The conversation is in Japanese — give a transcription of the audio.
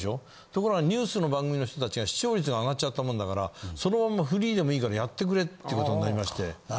ところがニュースの番組の人たちが視聴率が上がっちゃったもんだからそのまんまフリーでもいいからやってくれっていうことになりまして。